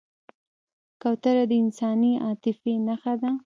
کوتره د انساني عاطفې نښه ده.